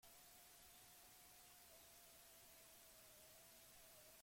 Ez da harresitik ia-ia ezer gorde.